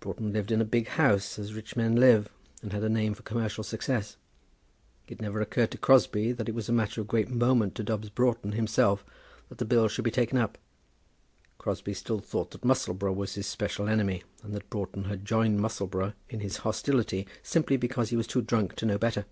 Broughton lived in a big house, as rich men live, and had a name for commercial success. It never occurred to Crosbie that it was a matter of great moment to Dobbs Broughton himself that the bill should be taken up. Crosbie still thought that Musselboro was his special enemy, and that Broughton had joined Musselboro in his hostility simply because he was too drunk to know better.